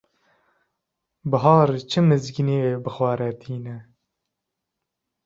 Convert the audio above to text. Buhar çi mizgîniyê bi xwe re tîne?